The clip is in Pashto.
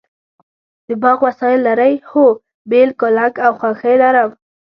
د باغ وسایل لرئ؟ هو، بیل، کلنګ او خاښۍ لرم